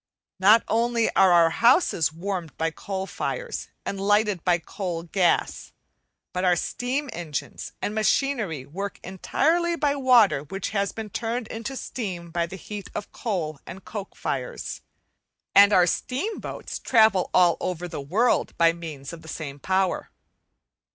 Not only are our houses warmed by coal fires and lighted by coal gas, but our steam engines and machinery work entirely by water which has been turned into steam by the heat of coal and coke fire; and our steamboats travel all over the world by means of the same power.